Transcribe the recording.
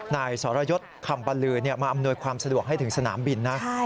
นายสรยศคำบรรลือมาอำนวยความสะดวกให้ถึงสนามบินนะ